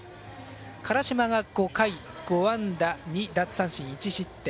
辛島が５回５安打２奪三振１失点。